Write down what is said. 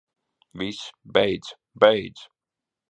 Viss, beidz. Beidz.